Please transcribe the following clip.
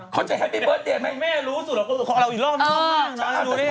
เขาจะแฮปปี้เบอร์สเดยไหมไม่รู้ส่วนหลังของเราอีกรอบ